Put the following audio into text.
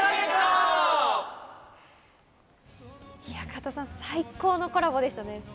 加藤さん、最高のコラボでしたね。